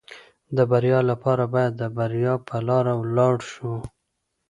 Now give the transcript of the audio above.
د بریا لپاره باید د بریا په لاره ولاړ شو.